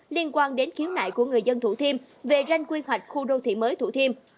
liên quan đến khiếu nại của người dân thủ thiêm về ranh quy hoạch khu đô thị mới thủ thiêm